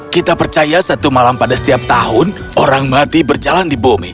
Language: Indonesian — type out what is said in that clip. kita percaya satu malam pada setiap tahun orang mati berjalan di bumi